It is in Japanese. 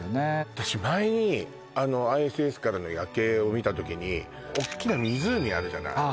私前にＩＳＳからの夜景を見たときにおっきな湖あるじゃない？